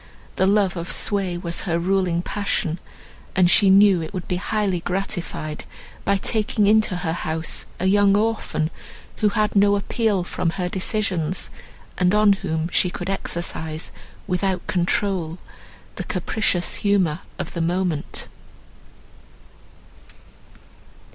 The love of sway was her ruling passion, and she knew it would be highly gratified by taking into her house a young orphan, who had no appeal from her decisions, and on whom she could exercise without control the capricious humour of the moment.